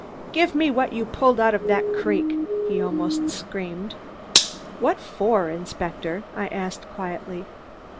"Give me what you pulled out of that creek!" he almost screamed. "What for, Inspector?" I asked quietly.